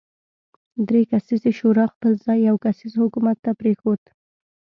درې کسیزې شورا خپل ځای یو کسیز حکومت ته پرېښود.